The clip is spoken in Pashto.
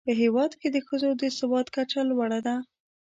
په هېواد کې د ښځو د سواد کچه لوړه ده.